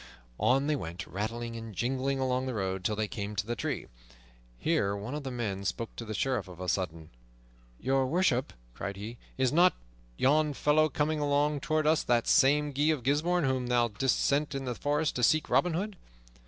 On they went, rattling and jingling along the road till they came to the tree. Here one of the men spake to the Sheriff of a sudden. "Your Worship," cried he, "is not yon fellow coming along toward us that same Guy of Gisbourne whom thou didst send into the forest to seek Robin Hood?"